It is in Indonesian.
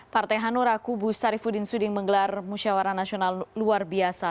partai hanura kubu sarifudin suding menggelar musyawara nasional luar biasa